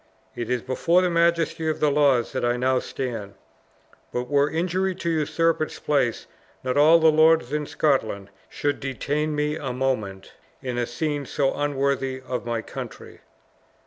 It is before the majesty of the laws that I now stand; but were injury to usurp its place, not all the lords in Scotland should detain me a moment in a scene so unworthy of my country."